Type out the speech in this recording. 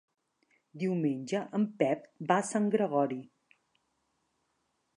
Diumenge en Pep va a Sant Gregori.